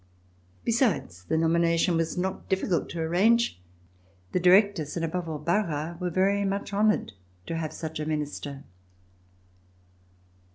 Besides, the nomination was not difficult to arrange. The Directors, and above all, Barras, were very much honored to have such a Minister.